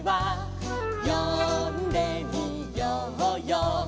「よんでみようよ